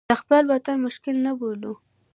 د خپل وطن مشکل نه بولو.